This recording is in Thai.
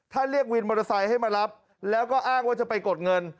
ถ้าเรียกวินมอเตอร์ไซค์ให้มารับแล้วก็อ้างว่าจะไปกดเงิน